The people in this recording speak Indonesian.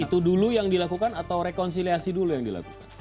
itu dulu yang dilakukan atau rekonsiliasi dulu yang dilakukan